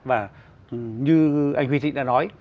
và như anh huy thịnh đã nói